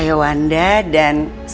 saya mau buat ker veelang di kantin